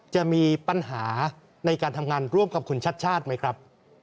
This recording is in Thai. จะมีปัญหาในการทำงานร่วมกับคุณชัดชาติไหมครับ